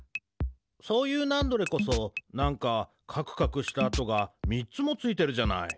そういうナンドレこそなんかかくかくした跡がみっつもついてるじゃない。